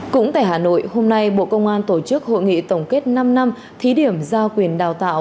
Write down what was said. cũng tại hà nội hôm nay bộ công an tổ chức hội nghị tổng kết năm năm thí điểm giao quyền đào tạo